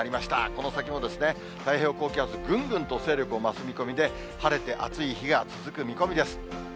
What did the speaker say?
この先も、太平洋高気圧、ぐんぐんと勢力を増す見込みで、晴れて暑い日が続く見込みです。